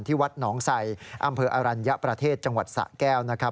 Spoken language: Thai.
วัดหนองใส่อำเภออรัญญประเทศจังหวัดสะแก้วนะครับ